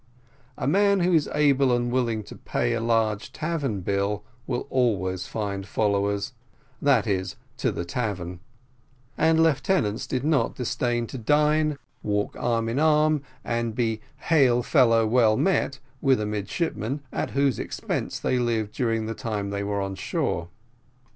A man who is able and willing to pay a large tavern bill will always find followers that is, to the tavern; and lieutenants did not disdain to dine, walk arm in arm, and be "hail fellow well met" with a midshipman, at whose expense they lived during the time they were on shore.